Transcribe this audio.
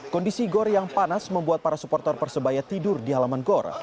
kondisi gor yang panas membuat para supporter persebaya tidur di halaman gor